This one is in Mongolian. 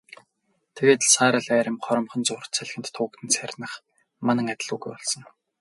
Тэгээд л саарал арми хоромхон зуурт салхинд туугдан сарних манан адил үгүй болсон.